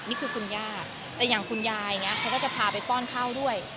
นี่คือคุณย่าแต่อย่างคุณยายอย่างนี้เขาก็จะพาไปป้อนข้าวด้วย